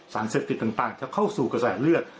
สารเสพติดต่างจะเข้าสู่กระแสเลือด